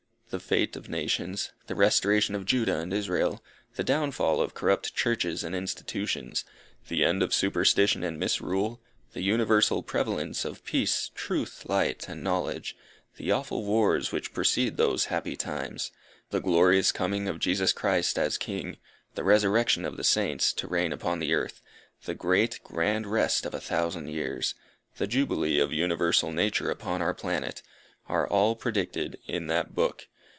The fate of nations; the restoration of Judah and Israel; the downfall of corrupt churches and institutions; the end of superstition and misrule; the universal prevalence of peace, truth, light and knowledge; the awful wars which precede those happy times; the glorious coming of Jesus Christ as King; the resurrection of the Saints, to reign upon the earth; the great, grand rest of a thousand years; the jubilee of universal nature upon our planet, are all predicted in that book.